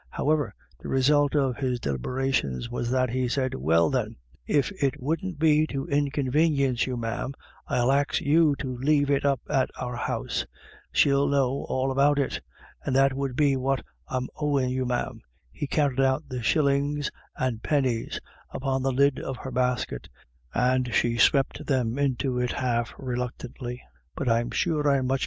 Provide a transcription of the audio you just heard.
However, the result of his deliberations was that he said :" Well then, if it wouldn't be to inconvanience you, ma'am, I'll axe you to lave it up at our house; she'll know all about it And that would be what I'm owin' you ma'am "— he counted out the shillings and pennies upon the lid of her basket, and she swept them into it half reluctantly —" but I'm sure I'm much 276 IRISH IDYLLS.